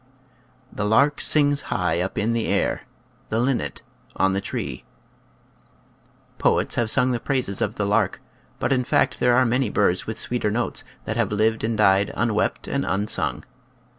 " The lark sings high up in the air, The linnet on the tree." Poets have sung the praises of the lark, but in fact there are many birds with sweeter notes that have lived and died "unwept and unsung."